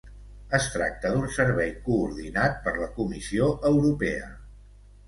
Es tracta d'un servei coordinat per la Comissió Europea.